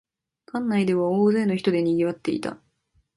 館内では大勢の人でにぎわっていた